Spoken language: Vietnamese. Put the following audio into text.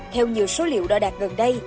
theo nhiều số liệu đo đạt gần đây